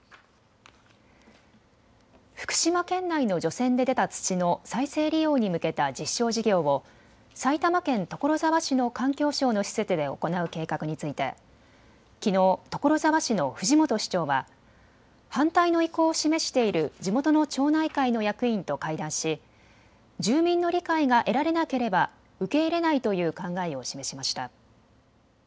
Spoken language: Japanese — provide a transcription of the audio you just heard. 福島県内の除染で出た土の再生利用に向けた実証事業を埼玉県所沢市の環境省の施設で行う計画についてきのう、所沢市の藤本市長は反対の意向を示している地元の町内会の役員と会談し住民の理解が得られなければ受け入れないという考えを示しました。